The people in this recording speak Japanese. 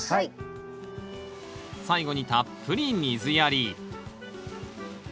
最後にたっぷり水やり。